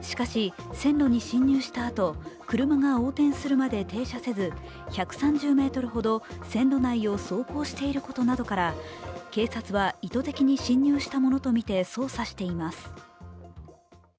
しかし、線路に侵入したあと、車が横転するまで停車せず１３０ｍほど線路内を走行していることなどから警察は意図的に進入したものとみて捜査しています。